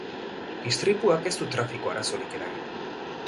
Istripuak ez du trafiko arazorik eragin.